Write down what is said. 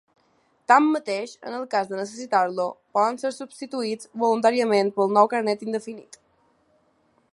Tanmateix, en el cas de necessitar-lo poden ser substituïts voluntàriament pel nou carnet indefinit.